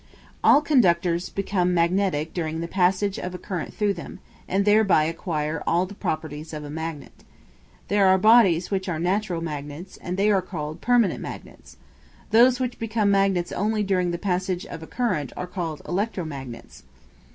All conductors become magnetic during the passage of a current through them, and thereby acquire all the properties of a magnet. There are bodies which are natural magnets, and they are called permanent magnets. Those which become magnets only during the passage of a current are called electro magnets.